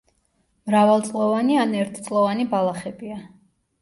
მრავალწლოვანი ან ერთწლოვანი ბალახებია.